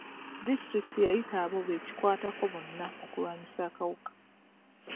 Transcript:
Disitulikiti yayitayo abo be kikwatako bonna okulwanyisa akawuka.